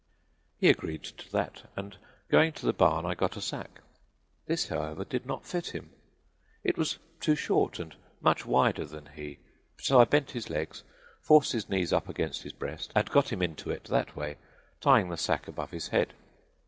He agreed to that, and going to the barn I got a sack. This, however, did not fit him; it was too short and much wider than he; so I bent his legs, forced his knees up against his breast and got him into it that way, tying the sack above his head.